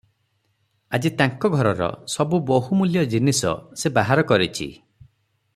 ଆଜି ତାଙ୍କ ଘରର ସବୁ ବହୁ ମୂଲ୍ୟ ଜିନିଶ ସେ ବାହାର କରିଚି ।